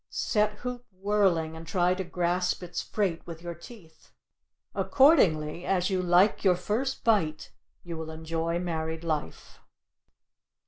Set hoop whirling and try to grasp its freight with your teeth. Accordingly as you like your first bite will you enjoy married life.